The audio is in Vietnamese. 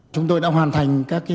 chúng tôi đã hoàn thành các hồi sơ